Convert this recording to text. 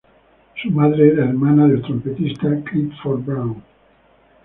Su madre era hermana del trompetista Clifford Brown.